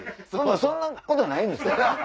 そんなことないんですよ。